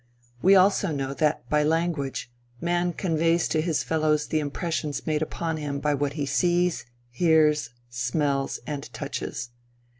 We also know that by language, man conveys to his fellows the impressions made upon him by what he sees, hears, smells and touches.